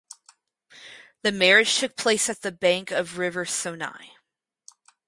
The marriage took place at the bank of river Sonai.